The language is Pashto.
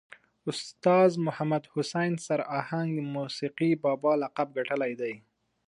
استاذ محمد حسین سر آهنګ د موسیقي بابا لقب ګټلی دی.